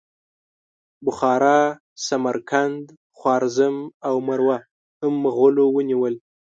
بخارا، سمرقند، خوارزم او مرو هم مغولو ونیول.